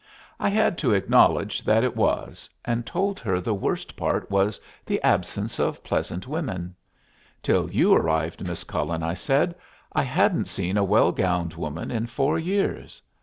I had to acknowledge that it was, and told her the worst part was the absence of pleasant women. "Till you arrived, Miss Cullen," I said, "I hadn't seen a well gowned woman in four years."